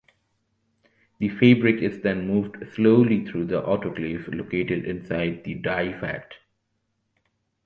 The fabric is then moved slowly through the autoclave located inside the dye vat.